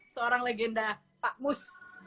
seorang legenda pak mus